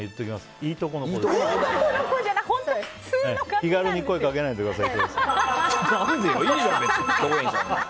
気軽に声掛けないでください。